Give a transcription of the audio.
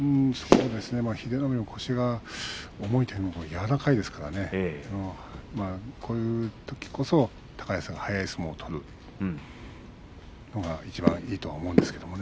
英乃海は腰が重いというより柔らかいですからこういうときこそ高安が速い相撲を取るのがいちばんいいとは思うんですけどね。